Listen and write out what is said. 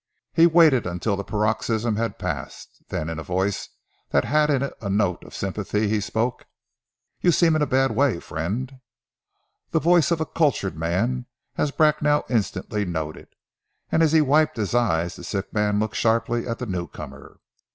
He waited until the paroxysm had passed, then in a voice that had in it a note of sympathy he spoke "You seem in a bad way, friend." The voice of a cultured man, as Bracknell instantly noted, and as he wiped his eyes the sick man looked sharply at the new comer.